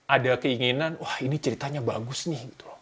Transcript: ada keinginan wah ini ceritanya bagus nih